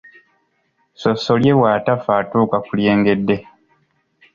Ssossolye bw’atafa atuuka ku lyengedde.